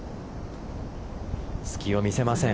隙を見せません。